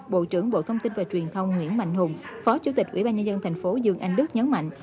bộ trưởng bộ thông tin và truyền thông nguyễn mạnh hùng phó chủ tịch ủy ban nhà dân tp dương anh đức nhấn mạnh